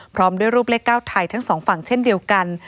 พร้อมด้วยรูปเลข๙ไทยทั้งสองฝั่งเช่นเดียวกัน